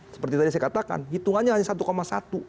seperti tadi saya katakan hitungannya hanya satu satu